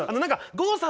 郷さん